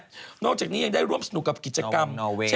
นอกจากนี้ยังได้ร่วมสนุกกับกิจกรรม